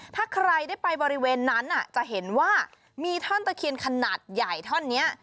ถ้าใครได้ไปบริเวณนั้นจะเห็นว่ามีท่อนตะเคียนขนาดใหญ่ท่อนนี้